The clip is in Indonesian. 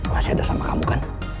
masih ada sama kamu kan